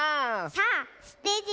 さあステージ